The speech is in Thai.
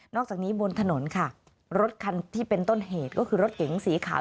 อกจากนี้บนถนนค่ะรถคันที่เป็นต้นเหตุก็คือรถเก๋งสีขาว